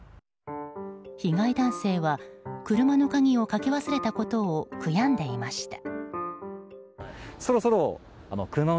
被害男性は車の鍵をかけ忘れたことを悔やんでいました。